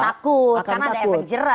mereka takut karena ada efek jerah disitu ya